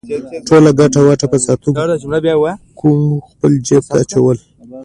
ټوله ګټه وټه به ساتونکو خپل جېب ته اچوله.